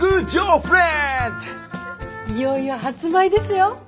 いよいよ発売ですよ。